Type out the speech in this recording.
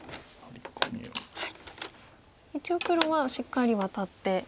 一応黒はしっかりワタって。